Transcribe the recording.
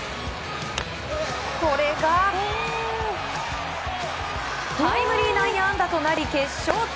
これがタイムリー内野安打となり決勝点。